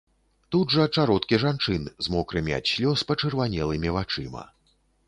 Тут жа чародкі жанчын з мокрымі ад слёз пачырванелымі вачыма.